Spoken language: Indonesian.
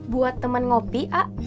buat temen ngopi a